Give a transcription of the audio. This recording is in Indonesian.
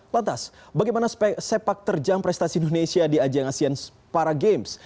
lantas bagaimana sepak terjang prestasi indonesia di ajang asean para games